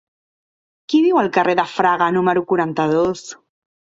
Qui viu al carrer de Fraga número quaranta-dos?